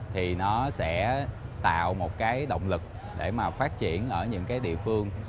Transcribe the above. thì nó sẽ tạo một cái động lực để mà phát triển ở những cái địa phương